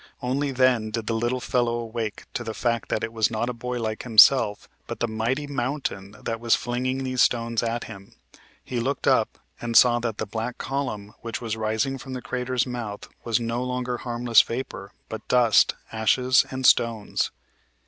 Only then did the little fellow awake to the fact that it was not a boy like himself, but the mighty mountain, that was flinging these stones at him. He looked up and saw that the black column which was rising from the crater's mouth was no longer harmless vapor, but dust, ashes and stones.